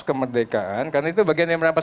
kemerdekaan karena itu bagian yang merapat